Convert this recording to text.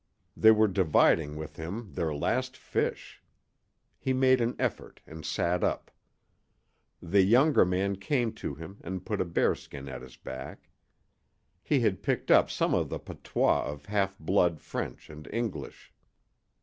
They were dividing with him their last fish! He made an effort and sat up. The younger man came to him and put a bearskin at his back. He had picked up some of the patois of half blood French and English.